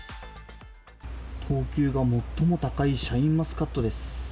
等級が最も高いシャインマスカットです。